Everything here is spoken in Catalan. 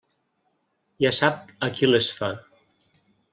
Ja sap a qui les fa.